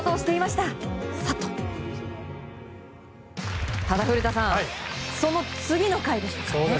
ただ、古田さんその次の回でしたからね。